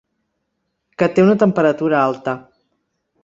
Que té una temperatura alta.